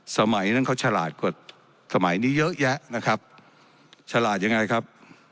สมัยนั้นเขาฉลาดกว่าสมัยนี้เยอะแยะนะครับฉลาดยังไงครับ